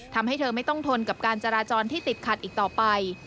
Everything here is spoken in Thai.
ทำให้เธอไม่ต้องทนกับการจราจรที่ติดขัดอีกต่อไป